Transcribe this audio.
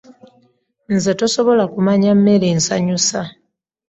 Nze tosobola kumanya mmere ensanyusa.